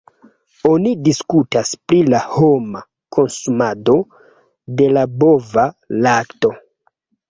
Oni diskutas pri la homa konsumado de la bova lakto.